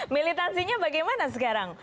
militansinya bagaimana sekarang